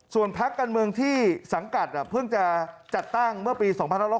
ส่วนพักการเมืองที่สังกัดเพิ่งจะจัดตั้งเมื่อปี๒๕๖๐